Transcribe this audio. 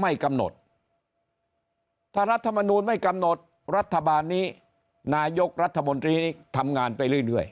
ไม่กำหนดถ้ารัฐมนูลไม่กำหนดรัฐบาลนี้นายกรัฐมนตรีนี้ทำงานไปเรื่อย